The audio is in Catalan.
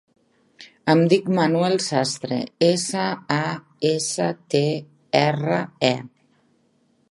Em dic Manuel Sastre: essa, a, essa, te, erra, e.